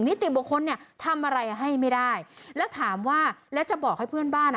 นิติบุคคลเนี่ยทำอะไรให้ไม่ได้แล้วถามว่าแล้วจะบอกให้เพื่อนบ้านอ่ะ